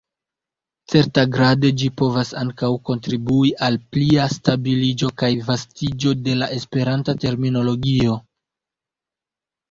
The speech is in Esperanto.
Certagrade ĝi povas ankaŭ kontribui al plia stabiliĝo kaj vastiĝo de la Esperanta terminologio.